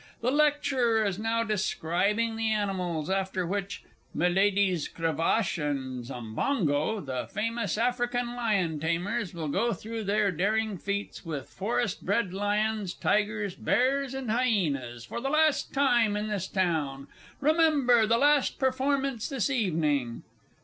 The Lecturer is now describing the animals, after which Mlle. Cravache and Zambango, the famous African Lion tamers, will go through their daring feats with forest bred lions, tigers, bears, and hyenas, for the last time in this town. Remembar the last performance this evening!